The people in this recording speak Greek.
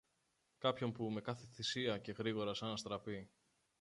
κάποιον που, με κάθε θυσία και γρήγορα σαν αστραπή